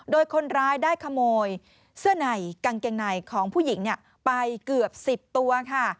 โดยคนร้ายได้ขโมยเสื้อในกางเกงในของผู้หญิงไปเกือบ๑๐ตัวค่ะ